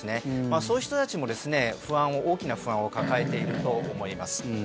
そういう人たちも大きな不安を抱えていると思います。